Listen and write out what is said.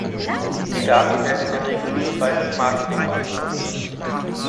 Die Daten werden in der Regel für weitere Marketingmaßnahmen genutzt